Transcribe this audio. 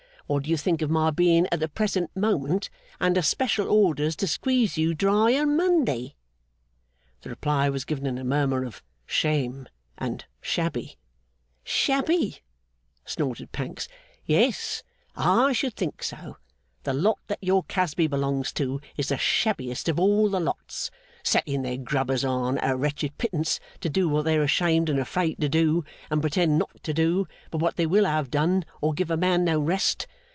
What do you think of my being, at the present moment, under special orders to squeeze you dry on Monday?' The reply was given in a murmur of 'Shame!' and 'Shabby!' 'Shabby?' snorted Pancks. 'Yes, I should think so! The lot that your Casby belongs to, is the shabbiest of all the lots. Setting their Grubbers on, at a wretched pittance, to do what they're ashamed and afraid to do and pretend not to do, but what they will have done, or give a man no rest!